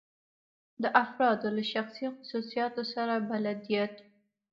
د افرادو له شخصي خصوصیاتو سره بلدیت.